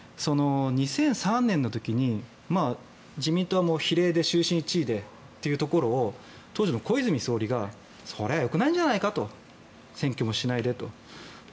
２００３年の時に自民党は比例で当時の小泉総理がそれはよくないんじゃないかと選挙もしないでと。